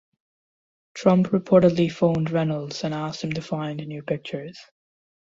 Trump reportedly phoned Reynolds and asked him to find new pictures.